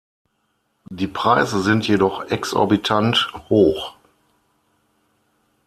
Die Preise sind jedoch exorbitant hoch.